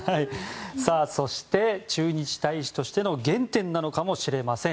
そして、駐日大使としての原点かもしれません。